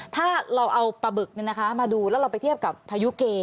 ถ้าเราเอาปลาบึกมาดูแล้วเราไปเทียบกับพายุเก